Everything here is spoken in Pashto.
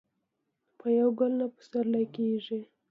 په یو ګل نه پسرلی کېږي